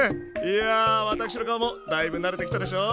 いや私の顔もだいぶ慣れてきたでしょ？